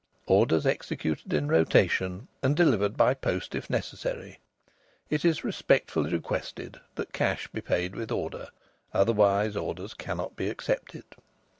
Orders executed in rotation, and delivered by post if necessary. It is respectfully requested that cash be paid with order. Otherwise orders cannot be accepted.